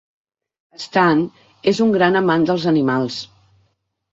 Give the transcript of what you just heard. Stan és un gran amant dels animals.